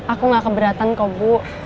aku gak keberatan kok bu